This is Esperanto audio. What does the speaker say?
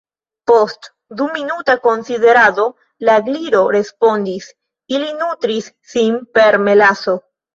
Post du minuta konsiderado la Gliro respondis: "Ili nutris sin per melaso."